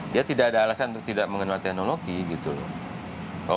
dia tidak ada alasan untuk tidak mengenal teknologi gitu loh